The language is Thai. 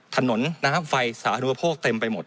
ถนนน้ำไฟสาธารณูปโภคเต็มไปหมด